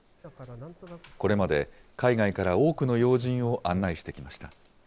これまで、海外から多くの要人を案内してきました。